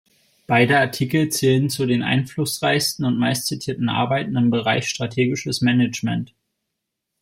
Beide Artikel zählen zu den einflussreichsten und meistzitierten Arbeiten im Bereich strategisches Management.